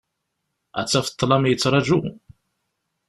Ad taf ṭṭlam yettraǧu.